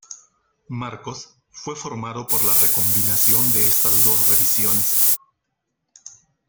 Marcos fue formado por la recombinación de estas dos revisiones.